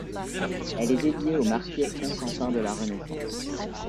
Elle est dédiée aux Martyrs cosentins de la Renaissance.